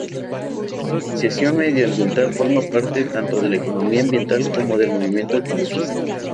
La financiación medioambiental forma parte tanto de la economía ambiental como del movimiento ecologista.